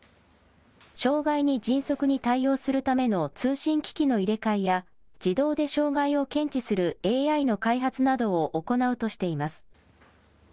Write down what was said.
障害に迅速に対応するための通信機器の入れ替えや、自動で障害を検知するＡＩの開発などを行うとしています。